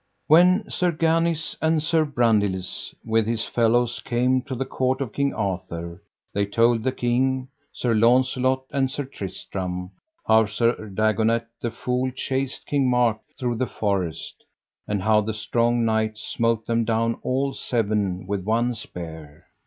When Sir Ganis and Sir Brandiles with his fellows came to the court of King Arthur they told the king, Sir Launcelot, and Sir Tristram, how Sir Dagonet, the fool, chased King Mark through the forest, and how the strong knight smote them down all seven with one spear.